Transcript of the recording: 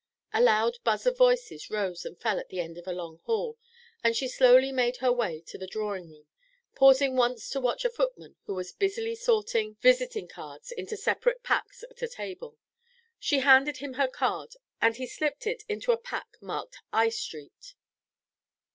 A loud buzz of voices rose and fell at the end of a long hall, and she slowly made her way to the drawing room, pausing once to watch a footman who was busily sorting visiting cards into separate packs at a table. She handed him her card, and he slipped it into a pack marked "I Street."